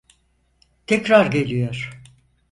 Tekrar geliyor!